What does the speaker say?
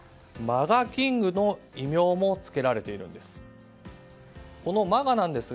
キングの異名もつけられているんです。